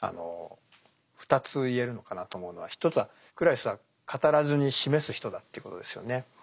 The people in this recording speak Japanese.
２つ言えるのかなと思うのは一つはクラリスは語らずに「示す」人だということですよね。